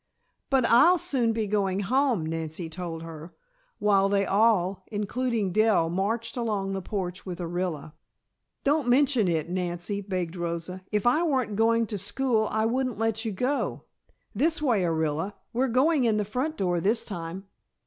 "But I'll soon be going home," Nancy told her, while they all, including Dell, marched along the porch with Orilla. "Don't mention it, Nancy," begged Rosa. "If I weren't going to school I wouldn't let you go. This way, Orilla. We're going in the front door this time."